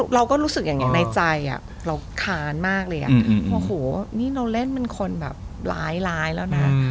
เราก็รู้สึกอย่างนี้ในใจเราค้านมากเลยอ่ะโอ้โหนี่เราเล่นเป็นคนแบบร้ายแล้วนะ